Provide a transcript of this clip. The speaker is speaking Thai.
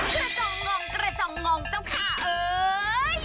กระจองงองกระจองงองเจ้าค่ะเอ้ย